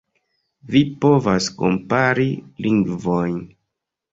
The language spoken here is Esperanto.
Vi povas kompari lingvojn.